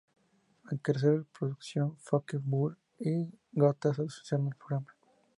Al crecer la producción, Focke-Wulf y Gotha se asociaron al programa.